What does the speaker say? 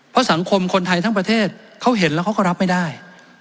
เพราะสังคมคนไทยทั้งประเทศเขาเห็นแล้วเขาก็รับไม่ได้